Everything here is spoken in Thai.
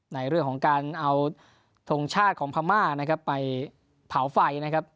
ในเรื่องของการเอาทงชาติของพม่านะครับไปเผาไฟนะครับ